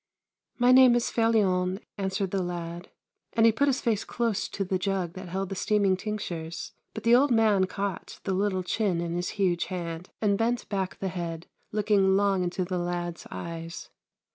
"" ]\Iy name is Felion," answered the lad, and he put his face close to the jug that held the steaming tinc tures, but the old man caught the little chin in his huge hand and bent back the head, looking long into the lad's eyes.